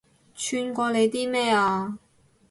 串過你啲咩啊